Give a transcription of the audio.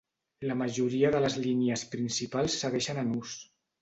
La majoria de les línies principals segueixen en ús.